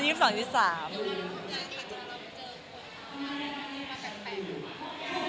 เดี๋ยวมันต้องจัดค่ะจะลองเจอคนที่มาแปลกหรือเปล่า